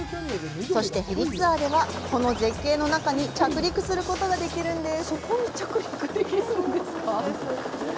そして、ヘリツアーではこの絶景の中に着陸することができるんです。